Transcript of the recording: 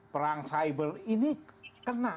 perang cyber ini kena